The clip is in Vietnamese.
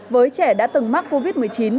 với trẻ đã từng mắc covid một mươi chín